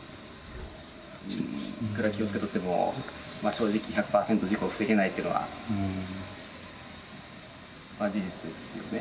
いくら気をつけとっても、正直、１００％事故を防げないというのは事実ですしね。